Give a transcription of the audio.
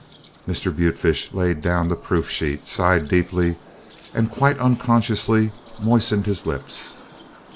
Mr. Butefish laid down the proof sheet, sighed deeply, and quite unconsciously moistened his lips.